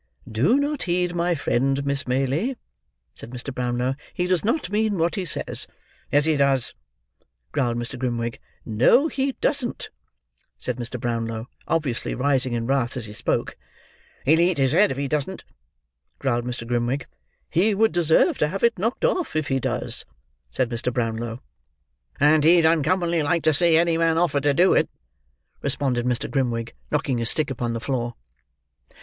"Do not heed my friend, Miss Maylie," said Mr. Brownlow; "he does not mean what he says." "Yes, he does," growled Mr. Grimwig. "No, he does not," said Mr. Brownlow, obviously rising in wrath as he spoke. "He'll eat his head, if he doesn't," growled Mr. Grimwig. "He would deserve to have it knocked off, if he does," said Mr. Brownlow. "And he'd uncommonly like to see any man offer to do it," responded Mr. Grimwig, knocking his stick upon the floor.